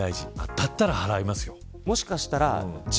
だったら払いますよ。